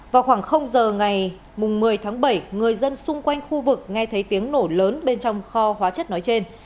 vào khoảng giờ ngày một mươi tháng bảy người dân xung quanh khu vực nghe thấy tiếng nổ lớn bên trong kho hóa chất nói trên